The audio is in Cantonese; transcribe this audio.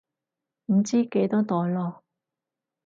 唔知幾多代囉